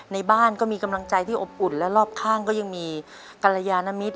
ในบ้านก็มีกำลังใจที่อบอุ่นและรอบข้างก็ยังมีกรยานมิตร